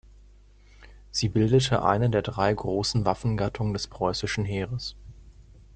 Sie bildete eine der drei großen Waffengattungen des preußischen Heeres.